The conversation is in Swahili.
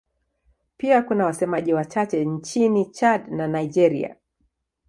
Pia kuna wasemaji wachache nchini Chad na Nigeria.